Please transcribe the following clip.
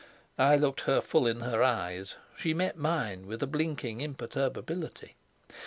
I looked full in her eyes; she met mine with a blinking imperturbability.